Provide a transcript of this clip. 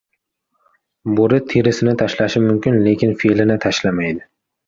• Bo‘ri terisini tashlashi mumkin, lekin fe’lini tashlamaydi.